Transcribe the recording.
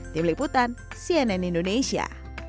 tim liputan cnn indonesia